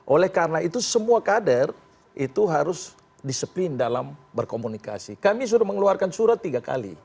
oleh karena itu semua kader itu harus disiplin dalam berkomunikasi kami sudah mengeluarkan surat tiga kali